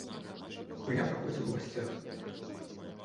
Гульня праходзіла ў гасцях.